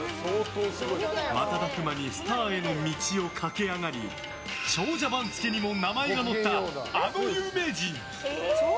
瞬く間にスターへの道を駆け上がり長者番付にも名前が載ったあの有名人！